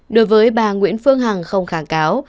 đối với bà nguyễn phương hằng không kháng cáo